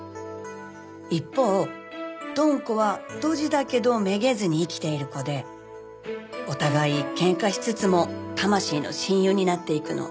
一方ドン子はドジだけどめげずに生きている子でお互い喧嘩しつつも魂の親友になっていくの。